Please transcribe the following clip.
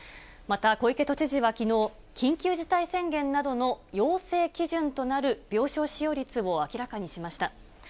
また小池都知事はきのう、緊急事態宣言などの要請基準となる病床使用率を明らかにしました。